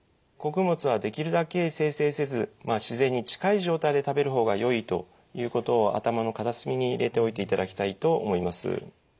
穀物はできるだけ精製せず自然に近い状態で食べる方がよいということを頭の片隅に入れておいていただきたいと思います。